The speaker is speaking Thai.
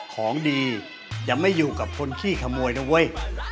ของดีอย่าไม่อยู่กับคนขี้ขโมยนะเว้ย